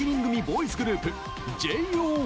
ボーイズグループＪＯ１。